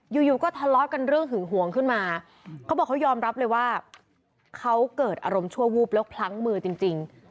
อยู่อยู่ก็ทะเลาะกันเรื่องหึงหวงขึ้นมาเขาบอกเขายอมรับเลยว่าเขาเกิดอารมณ์ชั่ววูบแล้วพลั้งมือจริง